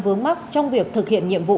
vướng mắt trong việc thực hiện nhiệm vụ